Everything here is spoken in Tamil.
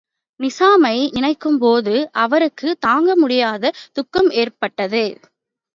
நிசாமை நினைக்கும்போது அவருக்குத் தாங்கமுடியாத துக்கம் ஏற்பட்டது.